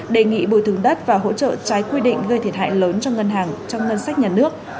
đề nghị bồi thường đất và hỗ trợ trái quy định gây thiệt hại lớn cho ngân hàng trong ngân sách nhà nước